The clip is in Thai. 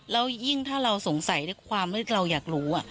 แล้วยิ่งถ้าเราสงสัยด้วยความที่เราอยากรู้